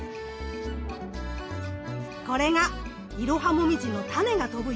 これがイロハモミジのタネが飛ぶ様子。